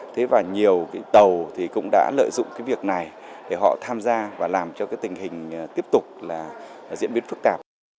thế và nhiều cái tàu thì cũng đã lợi dụng cái việc này để họ tham gia và làm cho cái tình hình tiếp tục là diễn biến phức tạp